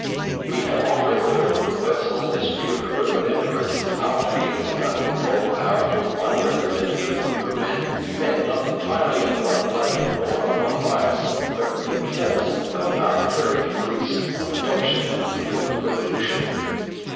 We have on record, in the personal history of the Roman emperors, how freedom and uncontrolled power took one representative group of men, men not entirely of one blood nor of one bias, but reinforced by the arbitrary caprice of adoption and political revolution.